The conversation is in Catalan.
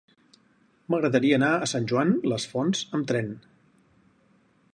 M'agradaria anar a Sant Joan les Fonts amb tren.